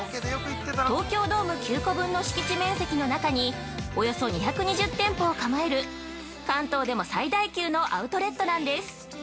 東京ドーム９個分の敷地面積の中におよそ２２０店舗を構える関東でも最大級のアウトレットなんです。